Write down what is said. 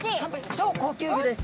超高級魚です。